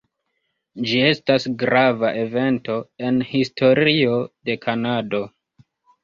Ĝi estas grava evento en historio de Kanado.